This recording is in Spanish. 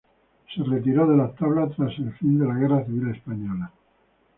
Se retiró de las tablas tras el fin de la Guerra Civil Española.